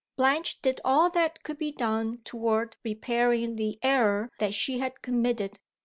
Blanche did all that could be done toward repairing the error that she had committed.